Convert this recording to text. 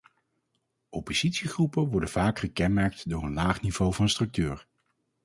Oppositiegroepen worden vaak gekenmerkt door een laag niveau van structuur.